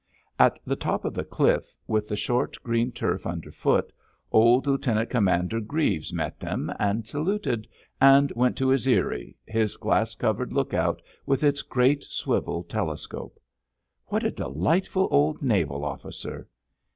At the top of the cliff, with the short green turf underfoot, old Lieutenant Commander Greaves met them, and saluted, and went to his eyrie, his glass covered look out with its great swivel telescope. "What a delightful old naval officer!"